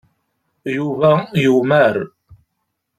Yuba yumar.